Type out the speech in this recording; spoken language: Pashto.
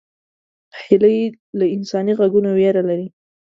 هیلۍ له انساني غږونو ویره لري